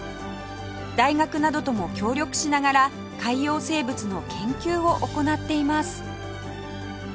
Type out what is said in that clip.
大学などとも協力しながら海洋生物の研究を行っています